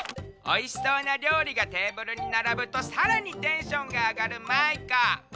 おいしそうなりょうりがテーブルにならぶとさらにテンションがあがるマイカ。